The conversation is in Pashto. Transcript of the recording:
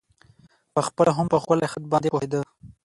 په خپله هم په ښکلی خط باندې پوهېده.